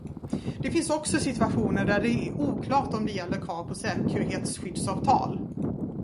Det finns också situationer där det är oklart om det gäller krav på säkerhetsskyddsavtal.